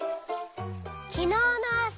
「きのうのあさ」